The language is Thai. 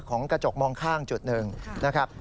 กระจกมองข้างจุดหนึ่งนะครับ